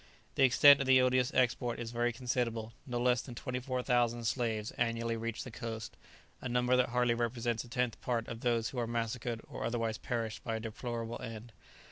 The extent of the odious export is very considerable; no less than 24,000 slaves annually reach the coast, a number that hardly represents a tenth part of those who are massacred or otherwise perish by a deplorable end.